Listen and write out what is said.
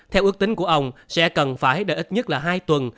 theo ước tính của ông sẽ cần phải đợi ít nhất là hai tuần